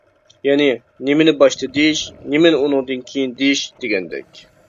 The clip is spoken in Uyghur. يەنى، نېمىنى باشتا دېيىش، نېمىنى ئۇنىڭدىن كېيىن دېيىش. دېگەندەك.